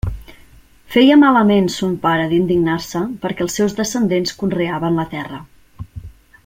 Feia malament son pare d'indignar-se perquè els seus descendents conreaven la terra.